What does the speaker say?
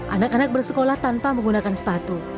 anak anak bersekolah tanpa menggunakan sepatu